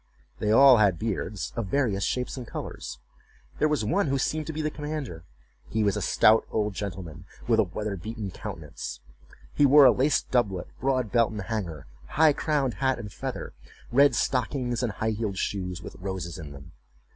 They all had beards, of various shapes and colors. There was one who seemed to be the commander. He was a stout old gentleman, with a weather beaten countenance; he wore a laced doublet, broad belt and hanger, high crowned hat and feather, red stockings, and high heeled shoes, with roses in them.